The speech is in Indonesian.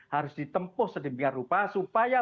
harus ditempuh sedemikian rupa supaya